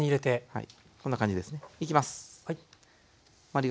はい。